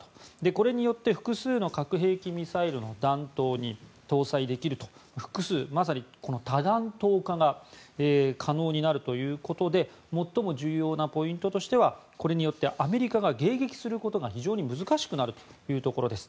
これによって複数の核兵器ミサイルが弾頭に搭載できると複数、まさにこの多弾頭化が可能になるということで最も重要なポイントとしてはこれによってアメリカが迎撃することが非常に難しくなるというところです。